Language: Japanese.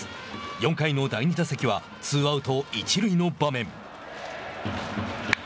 ４回の第２打席はツーアウト、一塁の場面。